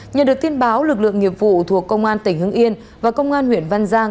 nhờ được tin báo lực lượng nghiệp vụ thuộc công an tỉnh hưng yên và công an huyện văn giang